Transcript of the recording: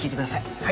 はい。